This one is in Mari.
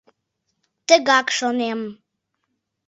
— Тыгак шонем.